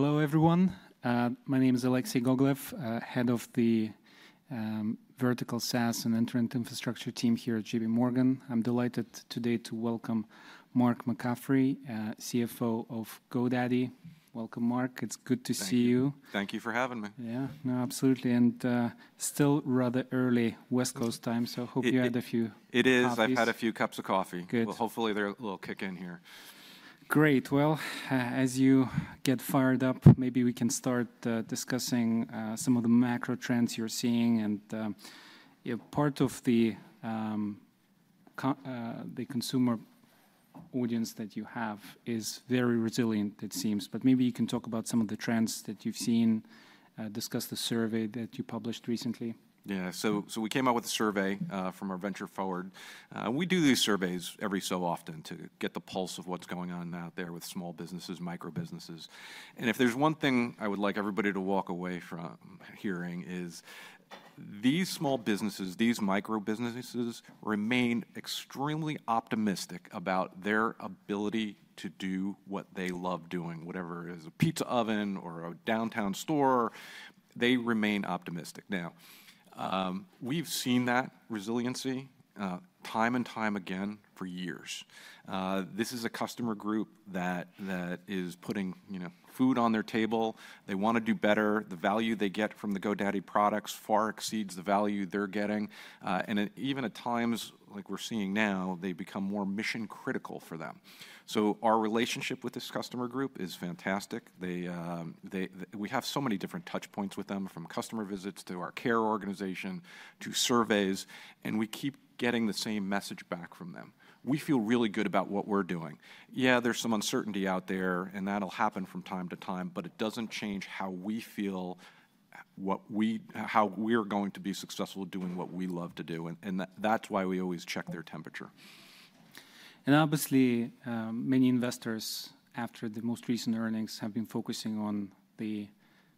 Hello, everyone. My name is Alexei Gogolev, head of the Vertical SaaS and End-to-End Infrastructure team here at JPMorgan Chase. I'm delighted today to welcome Mark McCaffrey, CFO of GoDaddy. Welcome, Mark. It's good to see you. Thank you for having me. Yeah, no, absolutely. And still rather early West Coast time, so I hope you had a few. It is. I've had a few cups of coffee. Good. Hopefully, they're a little kicking here. Great. As you get fired up, maybe we can start discussing some of the macro trends you're seeing. Part of the consumer audience that you have is very resilient, it seems. Maybe you can talk about some of the trends that you've seen, discuss the survey that you published recently. Yeah. We came out with a survey from our Venture Forward. We do these surveys every so often to get the pulse of what's going on out there with small businesses, micro businesses. If there's one thing I would like everybody to walk away from hearing, it is these small businesses, these micro businesses remain extremely optimistic about their ability to do what they love doing, whatever it is, a pizza oven or a downtown store. They remain optimistic. Now, we've seen that resiliency time and time again for years. This is a customer group that is putting food on their table. They want to do better. The value they get from the GoDaddy products far exceeds the value they're getting. Even at times like we're seeing now, they become more mission-critical for them. Our relationship with this customer group is fantastic. We have so many different touch points with them, from customer visits to our care organization to surveys. We keep getting the same message back from them. We feel really good about what we're doing. Yeah, there's some uncertainty out there, and that'll happen from time to time. It does not change how we feel, how we are going to be successful doing what we love to do. That is why we always check their temperature. Obviously, many investors, after the most recent earnings, have been focusing on the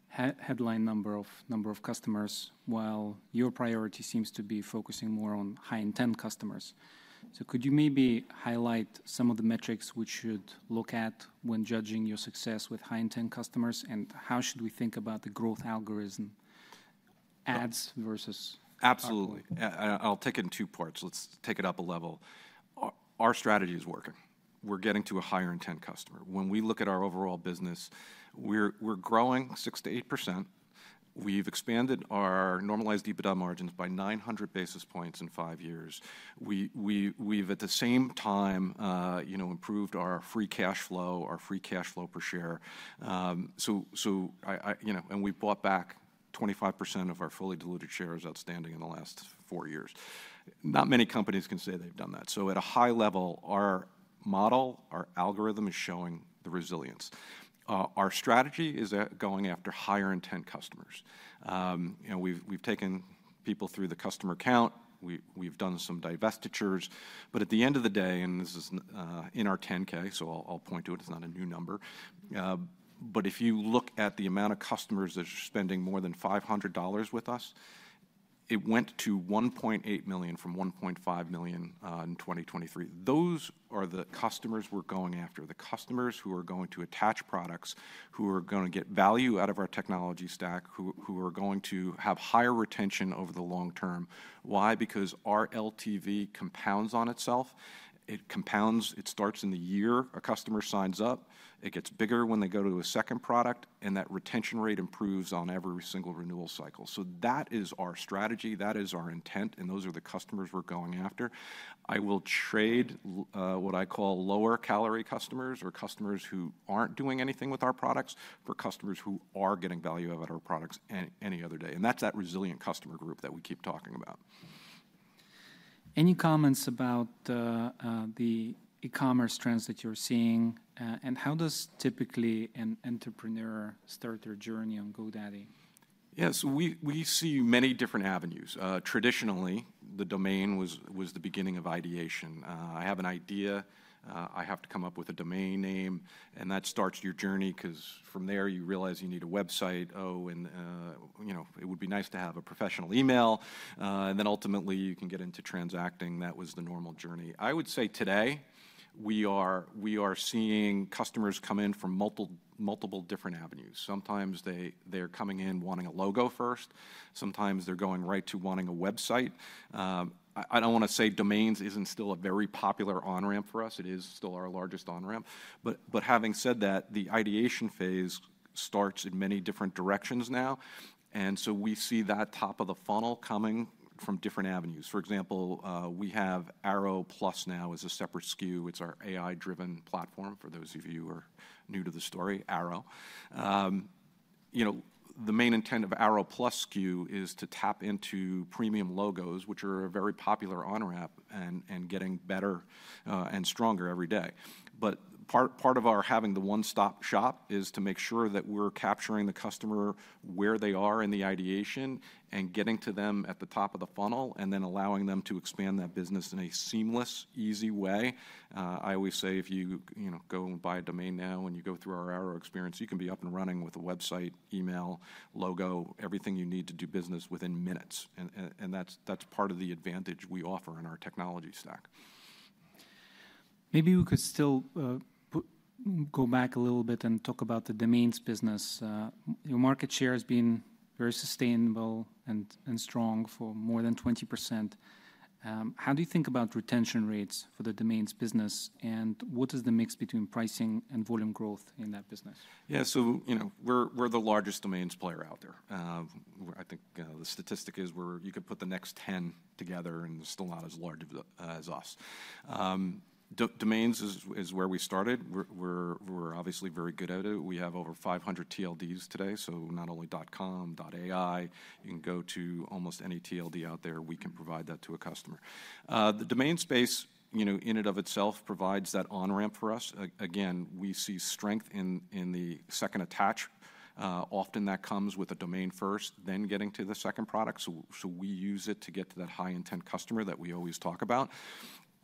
headline number of customers, while your priority seems to be focusing more on high-intent customers. Could you maybe highlight some of the metrics we should look at when judging your success with high-intent customers? How should we think about the growth algorithm, ads versus? Absolutely. I'll take it in two parts. Let's take it up a level. Our strategy is working. We're getting to a higher-intent customer. When we look at our overall business, we're growing 6-8%. We've expanded our normalized EBITDA margins by 900 basis points in five years. We've, at the same time, improved our free cash flow, our free cash flow per share. And we bought back 25% of our fully diluted shares outstanding in the last four years. Not many companies can say they've done that. At a high level, our model, our algorithm is showing the resilience. Our strategy is going after higher-intent customers. We've taken people through the customer count. We've done some divestitures. At the end of the day, and this is in our 10-K, so I'll point to it. It's not a new number. If you look at the amount of customers that are spending more than $500 with us, it went to 1.8 million from 1.5 million in 2023. Those are the customers we are going after, the customers who are going to attach products, who are going to get value out of our technology stack, who are going to have higher retention over the long term. Why? Because our LTV compounds on itself. It compounds. It starts in the year a customer signs up. It gets bigger when they go to a second product. That retention rate improves on every single renewal cycle. That is our strategy. That is our intent. Those are the customers we are going after. I will trade what I call lower-calorie customers or customers who are not doing anything with our products for customers who are getting value out of our products any other day. That is that resilient customer group that we keep talking about. Any comments about the e-commerce trends that you're seeing? How does typically an entrepreneur start their journey on GoDaddy? Yeah. So we see many different avenues. Traditionally, the domain was the beginning of ideation. I have an idea. I have to come up with a domain name. That starts your journey because from there, you realize you need a website. Oh, and it would be nice to have a professional email. Then ultimately, you can get into transacting. That was the normal journey. I would say today, we are seeing customers come in from multiple different avenues. Sometimes they're coming in wanting a logo first. Sometimes they're going right to wanting a website. I do not want to say domains is not still a very popular on-ramp for us. It is still our largest on-ramp. Having said that, the ideation phase starts in many different directions now. We see that top of the funnel coming from different avenues. For example, we have Airo Plus now as a separate SKU. It's our AI-driven platform for those of you who are new to the story, Airo. The main intent of Airo Plus SKU is to tap into premium logos, which are a very popular on-ramp and getting better and stronger every day. Part of our having the one-stop shop is to make sure that we're capturing the customer where they are in the ideation and getting to them at the top of the funnel and then allowing them to expand that business in a seamless, easy way. I always say if you go and buy a domain now and you go through our Airo experience, you can be up and running with a website, email, logo, everything you need to do business within minutes. That is part of the advantage we offer in our technology stack. Maybe we could still go back a little bit and talk about the domains business. Your market share has been very sustainable and strong for more than 20%. How do you think about retention rates for the domains business? What is the mix between pricing and volume growth in that business? Yeah. So we're the largest domains player out there. I think the statistic is you could put the next 10 together, and it's still not as large as us. Domains is where we started. We're obviously very good at it. We have over 500 TLDs today. Not only dot com, dot AI. You can go to almost any TLD out there. We can provide that to a customer. The domain space in and of itself provides that on-ramp for us. Again, we see strength in the second attach. Often that comes with a domain first, then getting to the second product. We use it to get to that high-intent customer that we always talk about.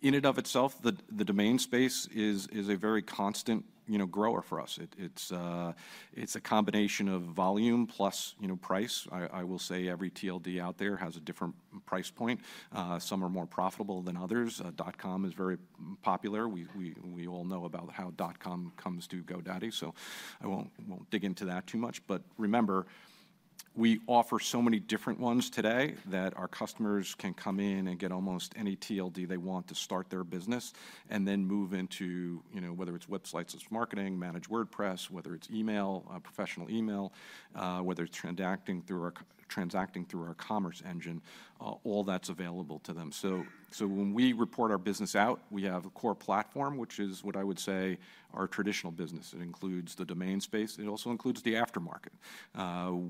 In and of itself, the domain space is a very constant grower for us. It's a combination of volume plus price. I will say every TLD out there has a different price point. Some are more profitable than others. Dot com is very popular. We all know about how dot com comes to GoDaddy. I will not dig into that too much. Remember, we offer so many different ones today that our customers can come in and get almost any TLD they want to start their business and then move into whether it is Websites + Marketing, Managed WordPress, whether it is email, professional email, whether it is transacting through our commerce engine, all that is available to them. When we report our business out, we have a core platform, which is what I would say our traditional business. It includes the domain space. It also includes the aftermarket.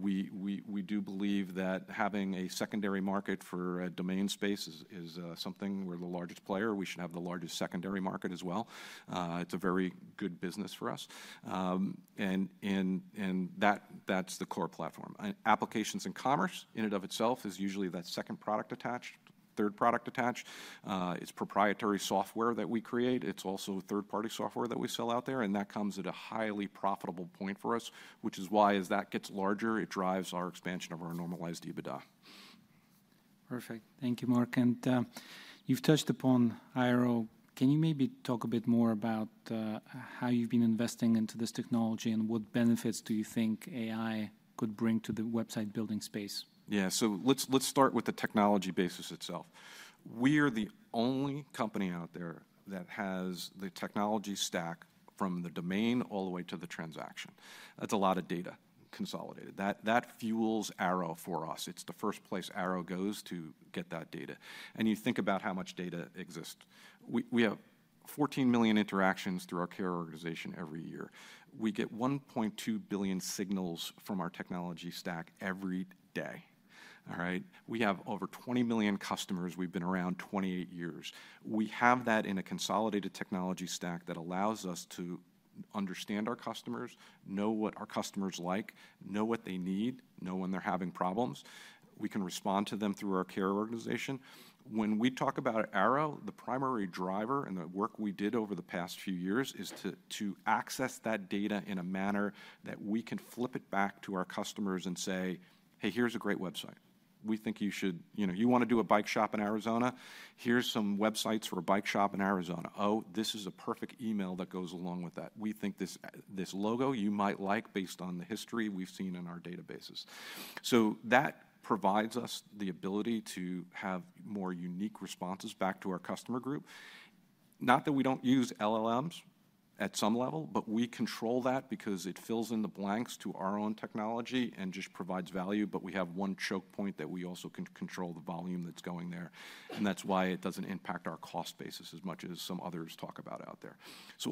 We do believe that having a secondary market for a domain space is something we are the largest player. We should have the largest secondary market as well. It is a very good business for us. That's the core platform. Applications and commerce in and of itself is usually that second product attached, third product attached. It's proprietary software that we create. It's also third-party software that we sell out there. That comes at a highly profitable point for us, which is why as that gets larger, it drives our expansion of our normalized EBITDA. Perfect. Thank you, Mark. And you've touched upon Airo. Can you maybe talk a bit more about how you've been investing into this technology and what benefits do you think AI could bring to the website building space? Yeah. Let's start with the technology basis itself. We are the only company out there that has the technology stack from the domain all the way to the transaction. That is a lot of data consolidated. That fuels Airo for us. It is the first place Airo goes to get that data. You think about how much data exists. We have 14 million interactions through our care organization every year. We get 1.2 billion signals from our technology stack every day. All right? We have over 20 million customers. We have been around 28 years. We have that in a consolidated technology stack that allows us to understand our customers, know what our customers like, know what they need, know when they are having problems. We can respond to them through our care organization. When we talk about Airo, the primary driver and the work we did over the past few years is to access that data in a manner that we can flip it back to our customers and say, "Hey, here's a great website. We think you want to do a bike shop in Arizona. Here's some websites for a bike shop in Arizona. Oh, this is a perfect email that goes along with that. We think this logo you might like based on the history we've seen in our databases." That provides us the ability to have more unique responses back to our customer group. Not that we do not use LLMs at some level, but we control that because it fills in the blanks to our own technology and just provides value. We have one choke point that we also can control the volume that is going there. That is why it does not impact our cost basis as much as some others talk about out there.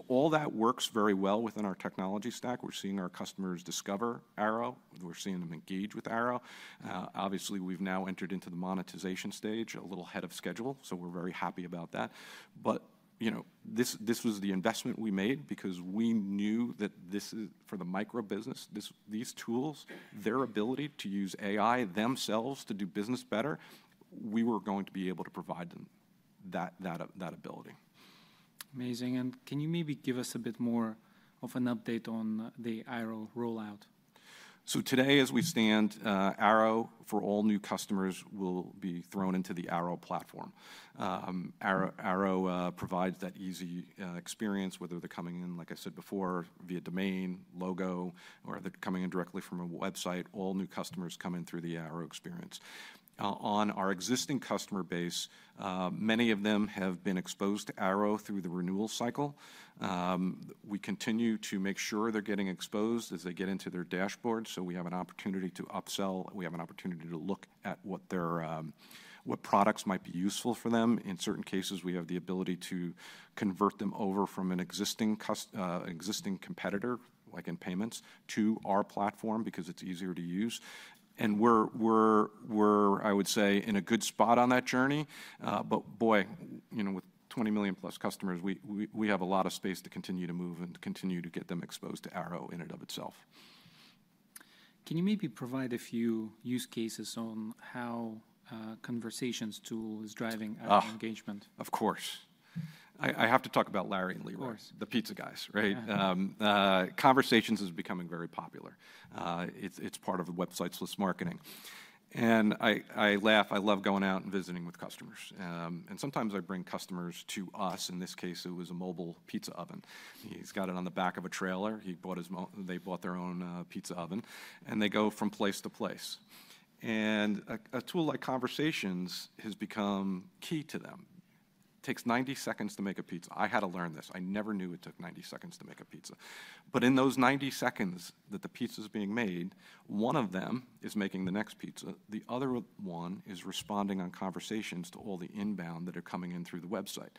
All that works very well within our technology stack. We are seeing our customers discover Airo. We are seeing them engage with Airo. Obviously, we have now entered into the monetization stage, a little ahead of schedule. We are very happy about that. This was the investment we made because we knew that for the micro business, these tools, their ability to use AI themselves to do business better, we were going to be able to provide them that ability. Amazing. Can you maybe give us a bit more of an update on the Airo rollout? Today, as we stand, Airo for all new customers will be thrown into the Airo platform. Airo provides that easy experience, whether they're coming in, like I said before, via domain, logo, or they're coming in directly from a website. All new customers come in through the Airo experience. On our existing customer base, many of them have been exposed to Airo through the renewal cycle. We continue to make sure they're getting exposed as they get into their dashboard. We have an opportunity to upsell. We have an opportunity to look at what products might be useful for them. In certain cases, we have the ability to convert them over from an existing competitor, like in payments, to our platform because it's easier to use. We're, I would say, in a good spot on that journey. With 20 million plus customers, we have a lot of space to continue to move and continue to get them exposed to Airo in and of itself. Can you maybe provide a few use cases on how Conversations tool is driving engagement? Of course. I have to talk about Larry's, the pizza guys, right? Conversations is becoming very popular. It's part of Websites + Marketing. I laugh. I love going out and visiting with customers. Sometimes I bring customers to us. In this case, it was a mobile pizza oven. He's got it on the back of a trailer. They bought their own pizza oven. They go from place to place. A tool like Conversations has become key to them. It takes 90 seconds to make a pizza. I had to learn this. I never knew it took 90 seconds to make a pizza. In those 90 seconds that the pizza is being made, one of them is making the next pizza. The other one is responding on Conversations to all the inbound that are coming in through the website.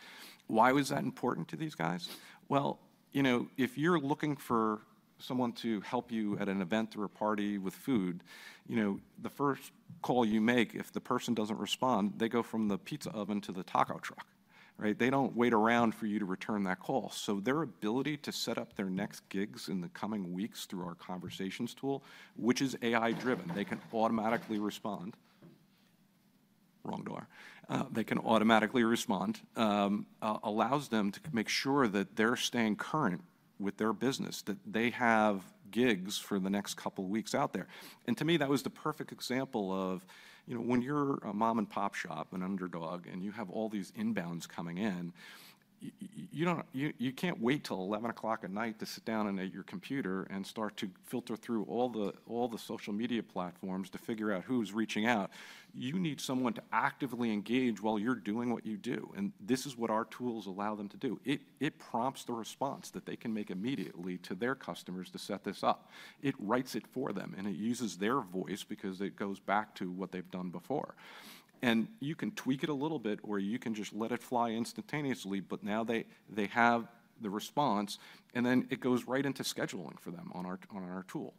Why was that important to these guys? If you're looking for someone to help you at an event or a party with food, the first call you make, if the person doesn't respond, they go from the pizza oven to the taco truck, right? They don't wait around for you to return that call. Their ability to set up their next gigs in the coming weeks through our Conversations tool, which is AI-driven, they can automatically respond. Wrong door. They can automatically respond, allows them to make sure that they're staying current with their business, that they have gigs for the next couple of weeks out there. To me, that was the perfect example of when you're a mom-and-pop shop, an underdog, and you have all these inbounds coming in, you can't wait till 11:00 P.M. to sit down at your computer and start to filter through all the social media platforms to figure out who's reaching out. You need someone to actively engage while you're doing what you do. This is what our tools allow them to do. It prompts the response that they can make immediately to their customers to set this up. It writes it for them. It uses their voice because it goes back to what they've done before. You can tweak it a little bit, or you can just let it fly instantaneously. Now they have the response. It goes right into scheduling for them on our tool.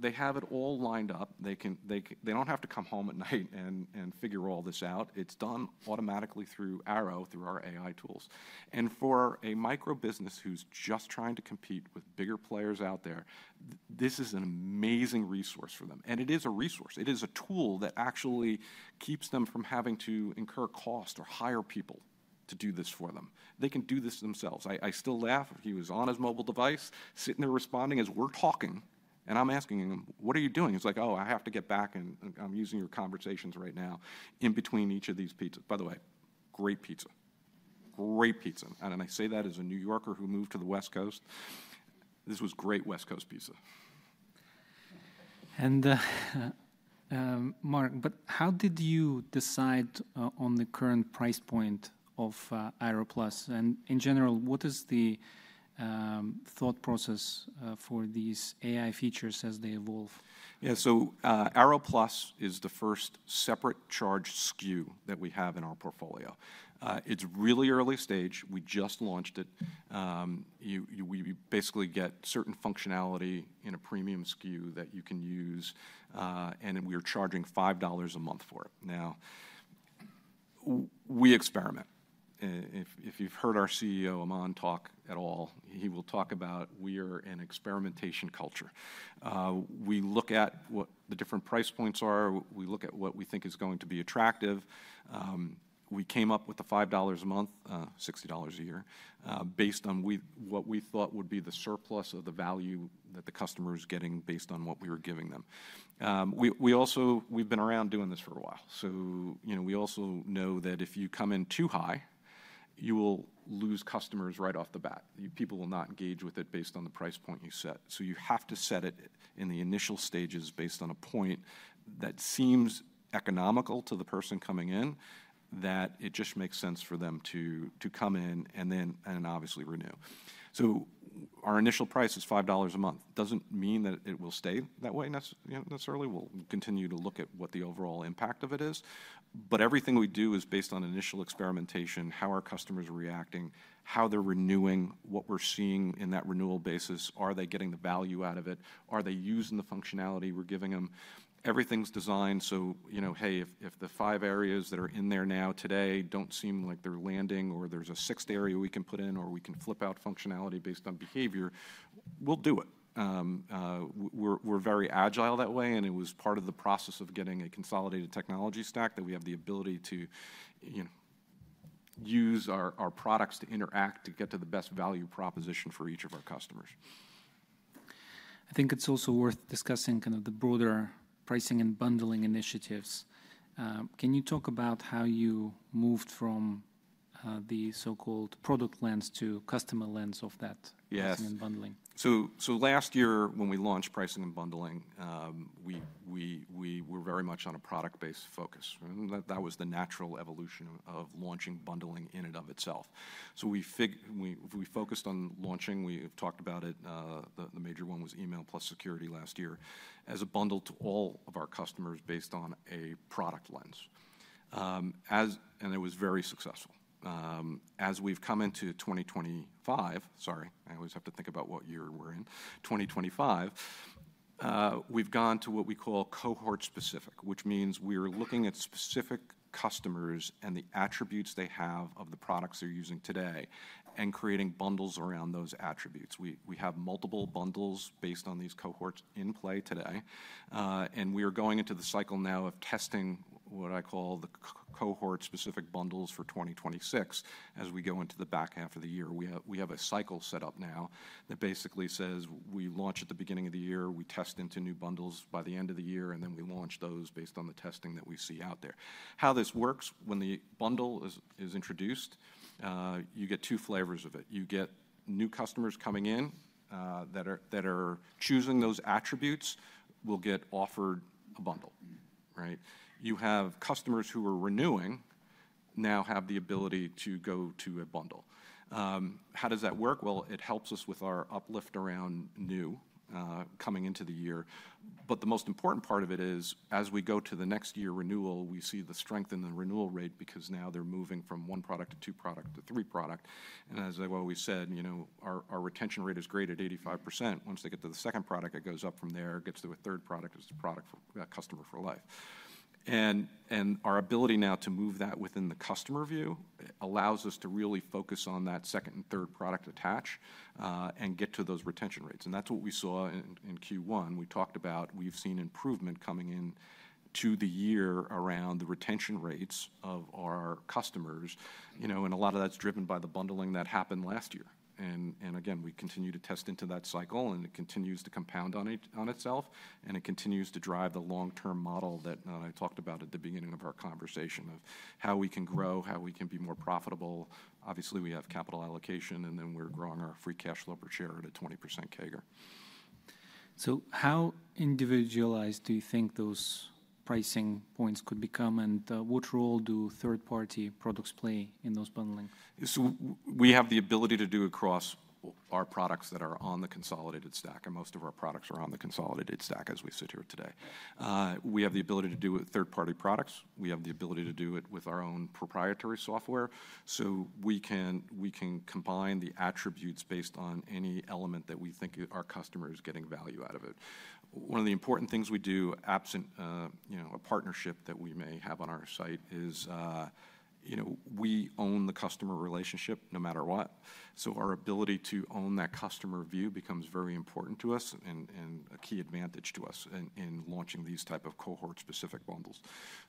They have it all lined up. They do not have to come home at night and figure all this out. It is done automatically through Airo, through our AI tools. For a micro business who is just trying to compete with bigger players out there, this is an amazing resource for them. It is a resource. It is a tool that actually keeps them from having to incur cost or hire people to do this for them. They can do this themselves. I still laugh. He was on his mobile device, sitting there responding as we are talking. I am asking him, "What are you doing?" He is like, "Oh, I have to get back. I am using your Conversations right now in between each of these pizzas." By the way, great pizza. Great pizza. I say that as a New Yorker who moved to the West Coast. This was great West Coast pizza. Mark, how did you decide on the current price point of Airo Plus? In general, what is the thought process for these AI features as they evolve? Yeah. So Airo Plus is the first separate charged SKU that we have in our portfolio. It's really early stage. We just launched it. We basically get certain functionality in a premium SKU that you can use. And we are charging $5 a month for it. Now, we experiment. If you've heard our CEO, Aman, talk at all, he will talk about we are an experimentation culture. We look at what the different price points are. We look at what we think is going to be attractive. We came up with the $5 a month, $60 a year, based on what we thought would be the surplus of the value that the customer is getting based on what we were giving them. We've been around doing this for a while. So we also know that if you come in too high, you will lose customers right off the bat. People will not engage with it based on the price point you set. You have to set it in the initial stages based on a point that seems economical to the person coming in, that it just makes sense for them to come in and then obviously renew. Our initial price is $5 a month. It does not mean that it will stay that way necessarily. We will continue to look at what the overall impact of it is. Everything we do is based on initial experimentation, how our customers are reacting, how they are renewing, what we are seeing in that renewal basis. Are they getting the value out of it? Are they using the functionality we are giving them? Everything is designed. Hey, if the five areas that are in there now today do not seem like they are landing, or there is a sixth area we can put in, or we can flip out functionality based on behavior, we will do it. We are very agile that way. It was part of the process of getting a consolidated technology stack that we have the ability to use our products to interact to get to the best value proposition for each of our customers. I think it's also worth discussing kind of the broader pricing and bundling initiatives. Can you talk about how you moved from the so-called product lens to customer lens of that pricing and bundling? Yes. Last year, when we launched pricing and bundling, we were very much on a product-based focus. That was the natural evolution of launching bundling in and of itself. We focused on launching. We have talked about it. The major one was email plus security last year as a bundle to all of our customers based on a product lens. It was very successful. As we have come into 2025, sorry, I always have to think about what year we are in, 2025, we have gone to what we call cohort specific, which means we are looking at specific customers and the attributes they have of the products they are using today and creating bundles around those attributes. We have multiple bundles based on these cohorts in play today. We are going into the cycle now of testing what I call the cohort specific bundles for 2026 as we go into the back half of the year. We have a cycle set up now that basically says we launch at the beginning of the year. We test into new bundles by the end of the year. We launch those based on the testing that we see out there. How this works, when the bundle is introduced, you get two flavors of it. You get new customers coming in that are choosing those attributes. We'll get offered a bundle, right? You have customers who are renewing now have the ability to go to a bundle. How does that work? It helps us with our uplift around new coming into the year. The most important part of it is, as we go to the next year renewal, we see the strength in the renewal rate because now they're moving from one product to two product to three product. As I've always said, our retention rate is great at 85%. Once they get to the second product, it goes up from there, gets to a third product, it's a product for a customer for life. Our ability now to move that within the customer view allows us to really focus on that second and third product attach and get to those retention rates. That's what we saw in Q1. We talked about we've seen improvement coming into the year around the retention rates of our customers. A lot of that's driven by the bundling that happened last year. We continue to test into that cycle. It continues to compound on itself. It continues to drive the long-term model that I talked about at the beginning of our conversation of how we can grow, how we can be more profitable. Obviously, we have capital allocation. We are growing our free cash flow per share at a 20% CAGR. How individualized do you think those pricing points could become? What role do third-party products play in those bundling? We have the ability to do across our products that are on the consolidated stack. Most of our products are on the consolidated stack as we sit here today. We have the ability to do it with third-party products. We have the ability to do it with our own proprietary software. We can combine the attributes based on any element that we think our customer is getting value out of it. One of the important things we do, absent a partnership that we may have on our site, is we own the customer relationship no matter what. Our ability to own that customer view becomes very important to us and a key advantage to us in launching these type of cohort specific bundles.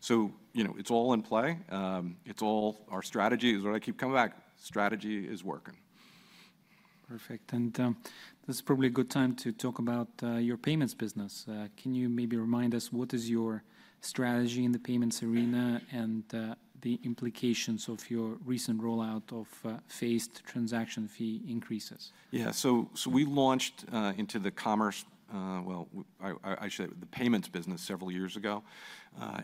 It is all in play. It is all our strategy is what I keep coming back. Strategy is working. Perfect. This is probably a good time to talk about your payments business. Can you maybe remind us what is your strategy in the payments arena and the implications of your recent rollout of phased transaction fee increases? Yeah. We launched into the commerce, I should say the payments business, several years ago.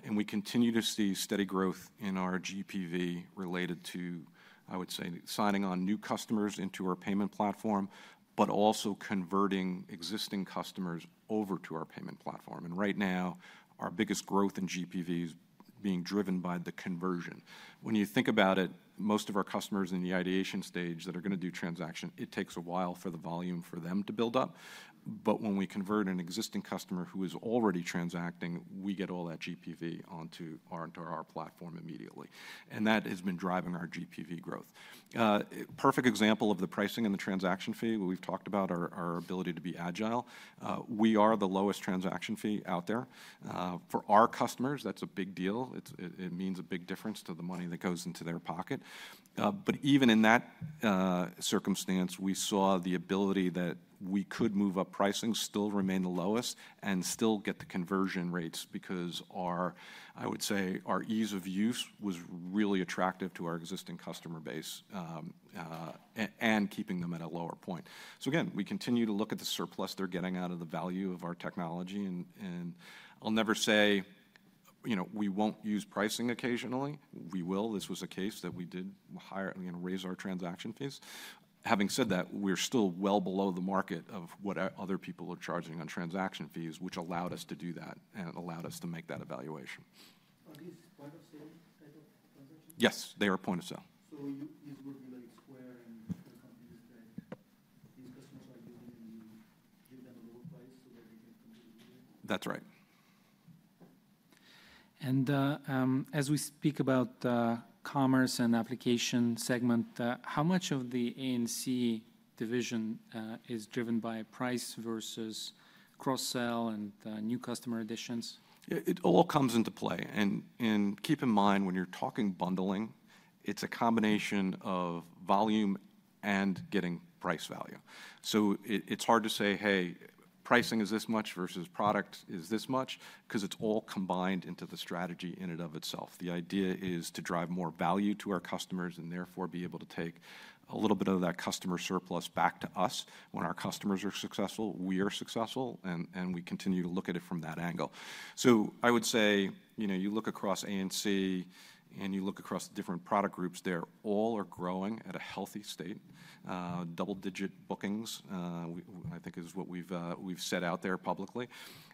We continue to see steady growth in our GPV related to, I would say, signing on new customers into our payment platform, but also converting existing customers over to our payment platform. Right now, our biggest growth in GPV is being driven by the conversion. When you think about it, most of our customers in the ideation stage that are going to do transaction, it takes a while for the volume for them to build up. When we convert an existing customer who is already transacting, we get all that GPV onto our platform immediately. That has been driving our GPV growth. Perfect example of the pricing and the transaction fee we have talked about is our ability to be agile. We are the lowest transaction fee out there. For our customers, that's a big deal. It means a big difference to the money that goes into their pocket. Even in that circumstance, we saw the ability that we could move up pricing, still remain the lowest, and still get the conversion rates because our, I would say, our ease of use was really attractive to our existing customer base and keeping them at a lower point. Again, we continue to look at the surplus they're getting out of the value of our technology. I'll never say we won't use pricing occasionally. We will. This was a case that we did raise our transaction fees. Having said that, we're still well below the market of what other people are charging on transaction fees, which allowed us to do that and allowed us to make that evaluation. Are these point of sale type of transactions? Yes, they are point of sale. These would be like Square and some things that these customers are using and you give them a lower price so that they can complete it? That's right. As we speak about commerce and application segment, how much of the ANC division is driven by price versus cross-sell and new customer additions? It all comes into play. Keep in mind, when you're talking bundling, it's a combination of volume and getting price value. It's hard to say, hey, pricing is this much versus product is this much because it's all combined into the strategy in and of itself. The idea is to drive more value to our customers and therefore be able to take a little bit of that customer surplus back to us. When our customers are successful, we are successful. We continue to look at it from that angle. I would say you look across ANC and you look across the different product groups there, all are growing at a healthy state. Double-digit bookings, I think, is what we've set out there publicly.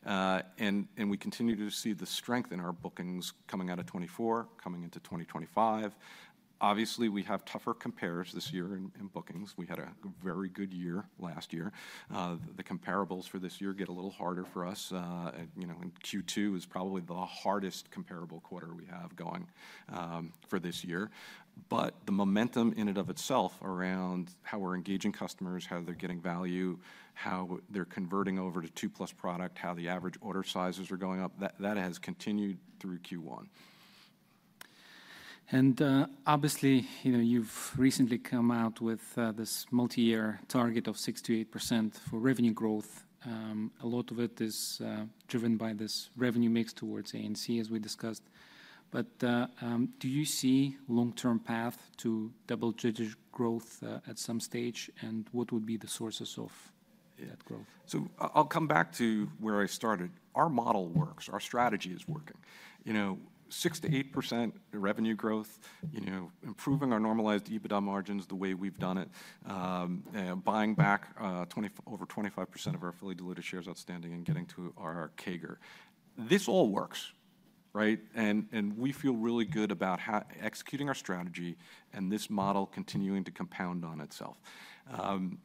We continue to see the strength in our bookings coming out of 2024, coming into 2025. Obviously, we have tougher compares this year in bookings. We had a very good year last year. The comparables for this year get a little harder for us. Q2 is probably the hardest comparable quarter we have going for this year. The momentum in and of itself around how we're engaging customers, how they're getting value, how they're converting over to two-plus product, how the average order sizes are going up, that has continued through Q1. Obviously, you've recently come out with this multi-year target of 6-8% for revenue growth. A lot of it is driven by this revenue mix towards ANC, as we discussed. Do you see a long-term path to double-digit growth at some stage? What would be the sources of that growth? I'll come back to where I started. Our model works. Our strategy is working. 6-8% revenue growth, improving our normalized EBITDA margins the way we've done it, buying back over 25% of our fully diluted shares outstanding and getting to our CAGR. This all works, right? We feel really good about executing our strategy and this model continuing to compound on itself. I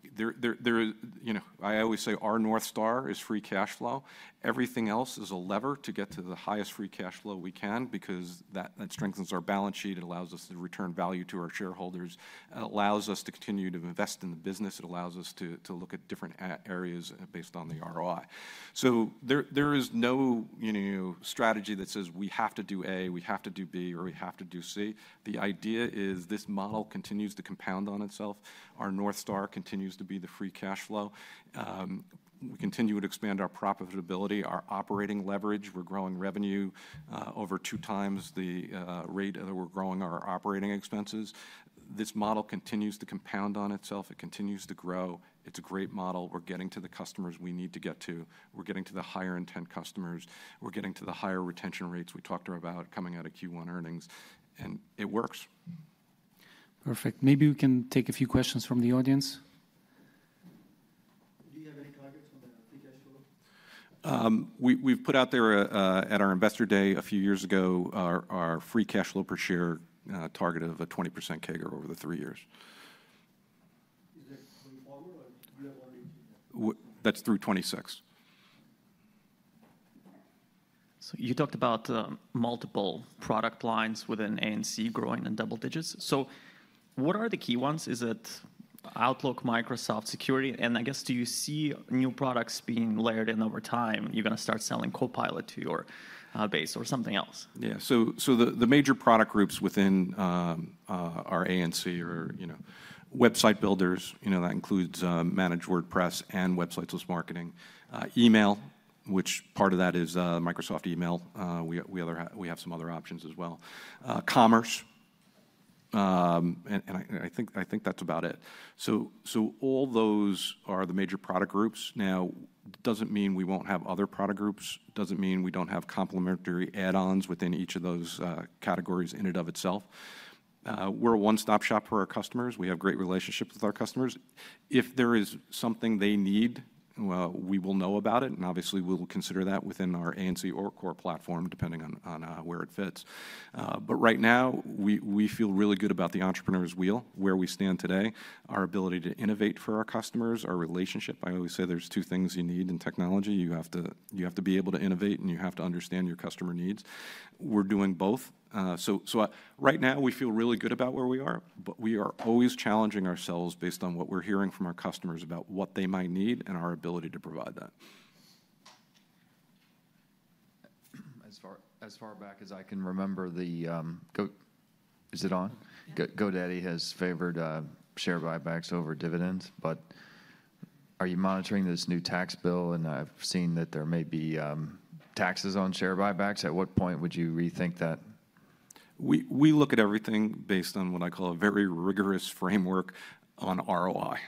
always say our North Star is free cash flow. Everything else is a lever to get to the highest free cash flow we can because that strengthens our balance sheet. It allows us to return value to our shareholders. It allows us to continue to invest in the business. It allows us to look at different areas based on the ROI. There is no strategy that says we have to do A, we have to do B, or we have to do C. The idea is this model continues to compound on itself. Our North Star continues to be the free cash flow. We continue to expand our profitability, our operating leverage. We're growing revenue over two times the rate that we're growing our operating expenses. This model continues to compound on itself. It continues to grow. It's a great model. We're getting to the customers we need to get to. We're getting to the higher intent customers. We're getting to the higher retention rates we talked about coming out of Q1 earnings. It works. Perfect. Maybe we can take a few questions from the audience. Do you have any targets on the free cash flow? We've put out there at our investor day a few years ago our free cash flow per share target of a 20% CAGR over the three years. Is that going forward or do you have already changed that? That's through 2026. You talked about multiple product lines within ANC growing in double digits. What are the key ones? Is it Outlook, Microsoft, security? I guess, do you see new products being layered in over time? You're going to start selling Copilot to your base or something else? Yeah. The major product groups within our ANC are website builders. That includes Managed WordPress and Websites + Marketing. Email, which part of that is Microsoft email. We have some other options as well. Commerce. I think that's about it. All those are the major product groups. It does not mean we will not have other product groups. It does not mean we do not have complementary add-ons within each of those categories in and of itself. We are a one-stop shop for our customers. We have great relationships with our customers. If there is something they need, we will know about it. Obviously, we will consider that within our ANC or core platform depending on where it fits. Right now, we feel really good about the entrepreneur's wheel where we stand today, our ability to innovate for our customers, our relationship. I always say there's two things you need in technology. You have to be able to innovate and you have to understand your customer needs. We're doing both. Right now, we feel really good about where we are. We are always challenging ourselves based on what we're hearing from our customers about what they might need and our ability to provide that. As far back as I can remember, is it on? GoDaddy has favored share buybacks over dividends. Are you monitoring this new tax bill? I've seen that there may be taxes on share buybacks. At what point would you rethink that? We look at everything based on what I call a very rigorous framework on ROI.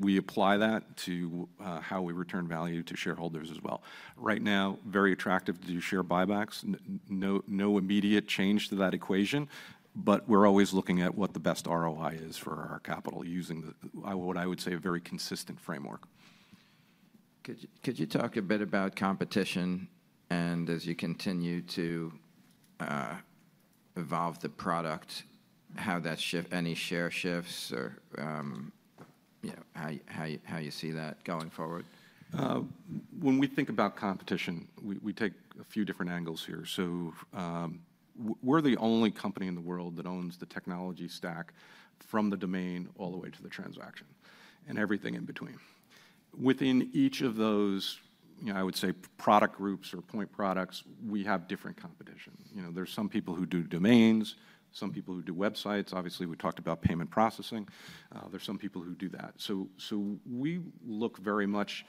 We apply that to how we return value to shareholders as well. Right now, very attractive to do share buybacks. No immediate change to that equation. We are always looking at what the best ROI is for our capital using what I would say a very consistent framework. Could you talk a bit about competition? As you continue to evolve the product, how that shift, any share shifts or how you see that going forward? When we think about competition, we take a few different angles here. We are the only company in the world that owns the technology stack from the domain all the way to the transaction and everything in between. Within each of those, I would say, product groups or point products, we have different competition. There are some people who do domains, some people who do websites. Obviously, we talked about payment processing. There are some people who do that. We look very much,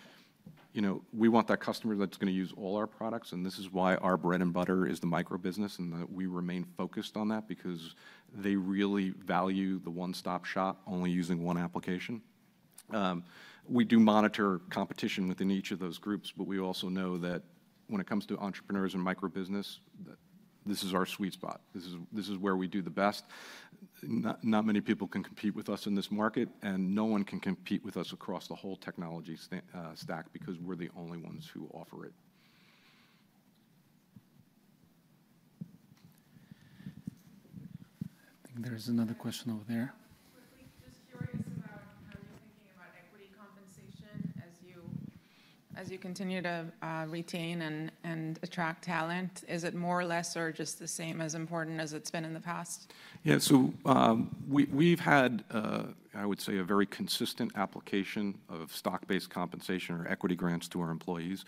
we want that customer that is going to use all our products. This is why our bread and butter is the micro business and that we remain focused on that because they really value the one-stop shop, only using one application. We do monitor competition within each of those groups. We also know that when it comes to entrepreneurs and micro business, this is our sweet spot. This is where we do the best. Not many people can compete with us in this market. No one can compete with us across the whole technology stack because we're the only ones who offer it. I think there is another question over there. Quickly, just curious about how you're thinking about equity compensation as you continue to retain and attract talent. Is it more or less or just the same as important as it's been in the past? Yeah. So we've had, I would say, a very consistent application of stock-based compensation or equity grants to our employees.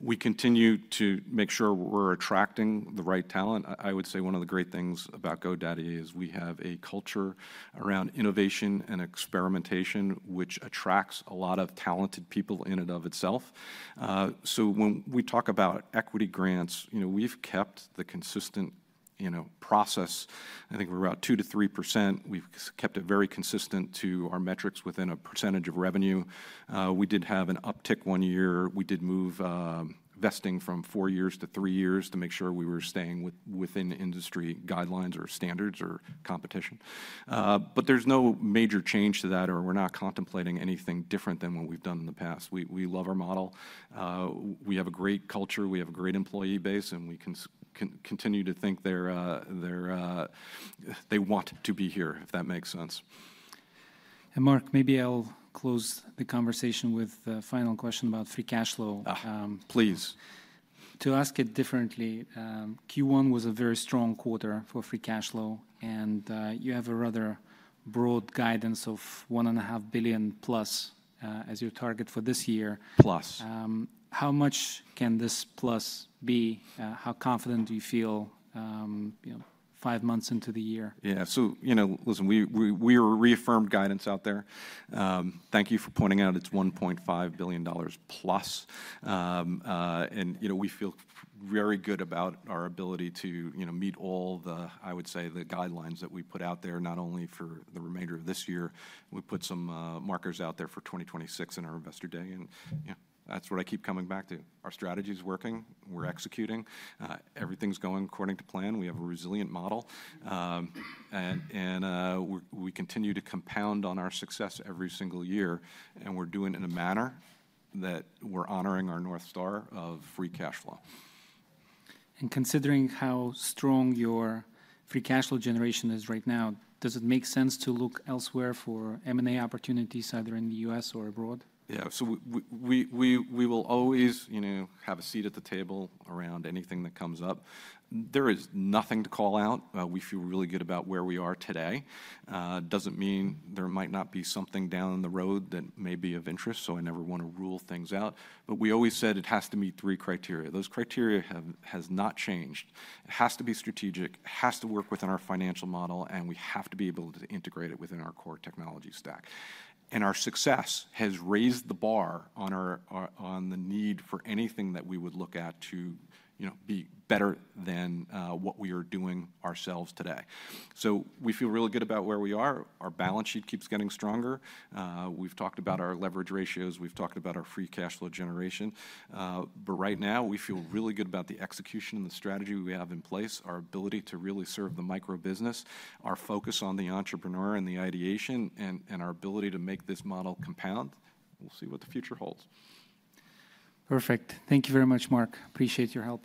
We continue to make sure we're attracting the right talent. I would say one of the great things about GoDaddy is we have a culture around innovation and experimentation, which attracts a lot of talented people in and of itself. When we talk about equity grants, we've kept the consistent process. I think we're up 2-3%. We've kept it very consistent to our metrics within a percentage of revenue. We did have an uptick one year. We did move vesting from four years to three years to make sure we were staying within industry guidelines or standards or competition. There's no major change to that or we're not contemplating anything different than what we've done in the past. We love our model. We have a great culture. We have a great employee base. We can continue to think they want to be here, if that makes sense. Mark, maybe I'll close the conversation with a final question about free cash flow. Please. To ask it differently, Q1 was a very strong quarter for free cash flow. You have a rather broad guidance of $1.5 billion+ as your target for this year. Plus. How much can this plus be? How confident do you feel five months into the year? Yeah. Listen, we are reaffirmed guidance out there. Thank you for pointing out it's $1.5 billion+. We feel very good about our ability to meet all the, I would say, the guidelines that we put out there not only for the remainder of this year. We put some markers out there for 2026 in our investor day. That's what I keep coming back to. Our strategy is working. We're executing. Everything's going according to plan. We have a resilient model. We continue to compound on our success every single year. We're doing it in a manner that we're honoring our North Star of free cash flow. Considering how strong your free cash flow generation is right now, does it make sense to look elsewhere for M&A opportunities either in the U.S. or abroad? Yeah. We will always have a seat at the table around anything that comes up. There is nothing to call out. We feel really good about where we are today. That does not mean there might not be something down the road that may be of interest. I never want to rule things out. We always said it has to meet three criteria. Those criteria have not changed. It has to be strategic. It has to work within our financial model. We have to be able to integrate it within our core technology stack. Our success has raised the bar on the need for anything that we would look at to be better than what we are doing ourselves today. We feel really good about where we are. Our balance sheet keeps getting stronger. We have talked about our leverage ratios. have talked about our free cash flow generation. Right now, we feel really good about the execution and the strategy we have in place, our ability to really serve the micro business, our focus on the entrepreneur and the ideation, and our ability to make this model compound. We will see what the future holds. Perfect. Thank you very much, Mark. Appreciate your help.